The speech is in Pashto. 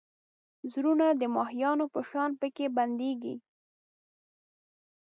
زړونه د ماهیانو په شان پکې بندېږي.